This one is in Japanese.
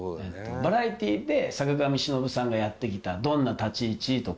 バラエティで坂上忍さんがやってきたどんな立ち位置とか。